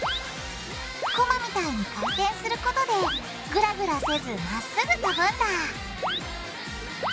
コマみたいに回転することでグラグラせずまっすぐ飛ぶんだ